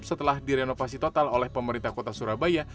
setelah direnovasi total oleh pemerintah kota surabaya